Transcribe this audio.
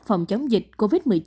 phòng chống dịch covid một mươi chín